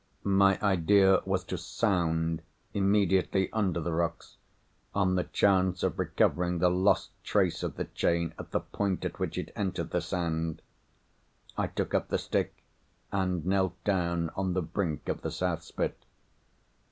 My idea was to "sound" immediately under the rocks, on the chance of recovering the lost trace of the chain at the point at which it entered the sand. I took up the stick, and knelt down on the brink of the South Spit.